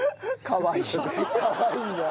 かわいいね。